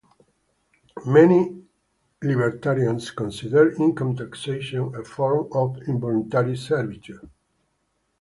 Many libertarians consider income taxation a form of involuntary servitude.